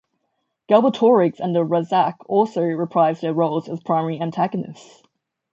Galbatorix and the Ra'zac also reprise their roles as primary antagonists.